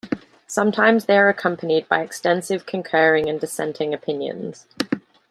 Sometimes, they are accompanied by extensive concurring and dissenting opinions.